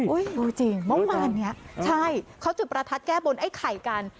จริงเมื่อวานนี้ใช่เขาจุดประทัดแก้บนไอ้ไข่กัน